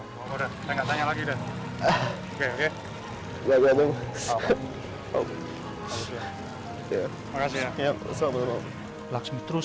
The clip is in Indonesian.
hai orang orang enggak tanya lagi dan oke oke ya makasih ya laksmi terus